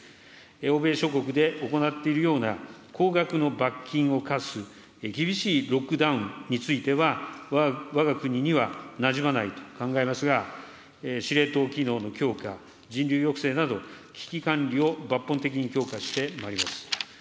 欧米諸国で行っているような高額の罰金を科す厳しいロックダウンについては、わが国にはなじまないと考えますが、司令塔機能の強化、人流抑制など、危機管理を抜本的に強化してまいります。